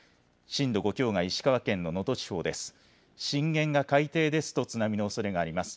震度５強が石川県の能登地方です。